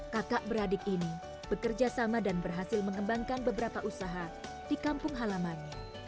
kakak beradik ini bekerja sama dan berhasil mengembangkan beberapa usaha di kampung halamannya